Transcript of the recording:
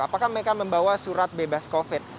apakah mereka membawa surat bebas covid